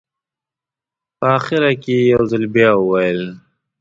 په اخره کې یې یو ځل بیا وویل.